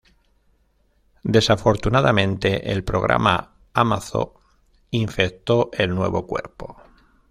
Desafortunadamente, el programa Amazo infectó el nuevo cuerpo.